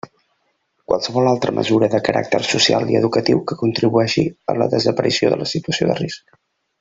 Qualsevol altra mesura de caràcter social i educatiu que contribueixi a la desaparició de la situació de risc.